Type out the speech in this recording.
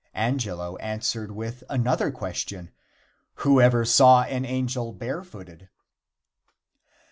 Angelo answered with another question: "Whoever saw an angel barefooted?"